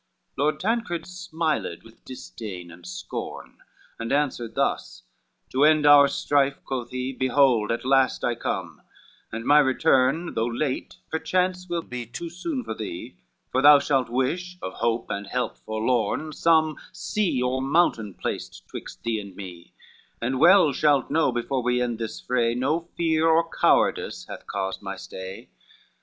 IV Lord Tancred smiled, with disdain and scorn, And answerd thus, "To end our strife," quoth he, "Behold at last I come, and my return, Though late, perchance will be too soon for thee; For thou shalt wish, of hope and help forlorn, Some sea or mountain placed twixt thee and me, And well shalt know before we end this fray No fear of cowardice hath caused my stay.